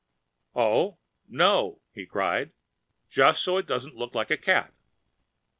"Oh, no," cried he, "just so it doesn't look like a cat!"